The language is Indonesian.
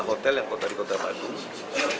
hotel yang kota di kota bandung